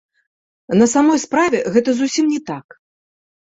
На самой справе гэта зусім не так.